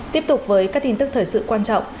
tiếp tục với các tin tức thời sự quan trọng